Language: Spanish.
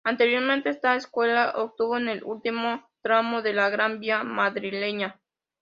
Anteriormente esta escuela estuvo en el último tramo de la Gran Vía madrileña.